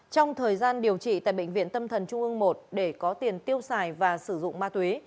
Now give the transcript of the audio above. trong thời gian điều trị tại bệnh viện tâm thần trung ương một để có tiền tiêu xài và sử dụng ma túy